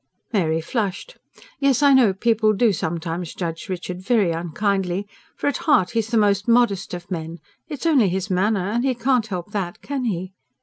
Mary flushed. "Yes, I know, people do sometimes judge Richard very unkindly. For at heart he's the most modest of men. It's only his manner. And he can't help that, can he?"